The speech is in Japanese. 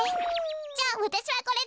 じゃあわたしはこれで。